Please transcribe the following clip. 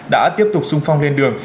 đã tiếp tục sung phong lên đường